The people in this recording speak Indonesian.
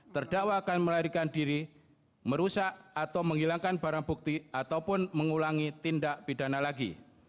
terdakwa akan melarikan diri merusak atau menghilangkan barang bukti ataupun mengulangi tindak pidana lagi